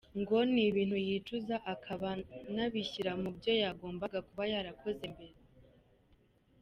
Ngo ni ibintu yicuza akabanabishyira mubyo yagombaga kuba yarakoze mbere.